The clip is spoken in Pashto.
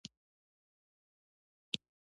دوکاندار خپل کار ته اخلاص لري.